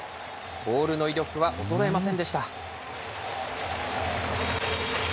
ボールの威力は衰えませんでした。